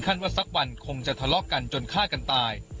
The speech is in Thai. ว่าสักวันคงจะทะเลาะกันจนฆ่ากันตาย